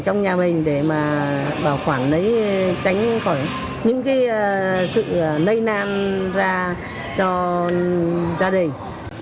trong nhà mình để mà bảo khoản lấy tránh những sự nây nan ra cho gia đình